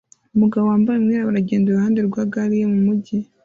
Umugabo wambaye umwirabura agenda iruhande rwa gare ye mumujyi